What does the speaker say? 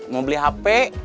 mau beli hp